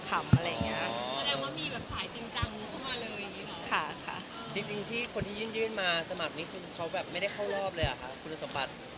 คนที่ยื่นยื่นมาสมัครนี้เลยไม่ได้เข้ารอบเลยคุณสมบัติ